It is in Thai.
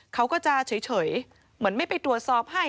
เขาก็จะเฉยเหมือนไม่ไปตรวจสอบให้